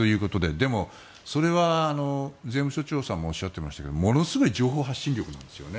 でも、それは税務署長さんもおっしゃってましたがものすごい情報発信力なんですよね。